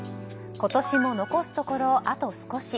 今年も残すところ、あと少し。